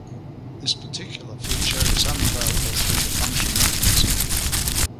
This particular feature is unavailable through the function mechanism.